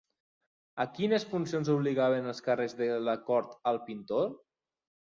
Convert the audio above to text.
A quines funcions obligaven els càrrecs de la cort al pintor?